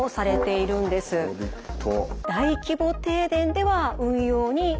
なるほど。